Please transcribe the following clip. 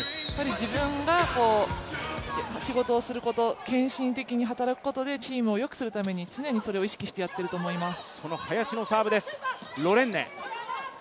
自分が仕事をすること、献身的に働くことでチームをよくするために、常にそれを意識してやっていると思います。